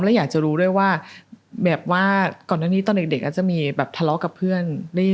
และอยากจะรู้ด้วยว่าแบบว่าก่อนหน้านี้ตอนเด็กอาจจะมีแบบทะเลาะกับเพื่อน